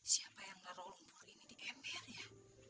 siapa yang ngaruh ini di ember ya